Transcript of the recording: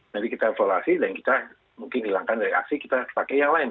jadi kita evaluasi dan kita mungkin hilangkan dari aksi kita pakai yang lain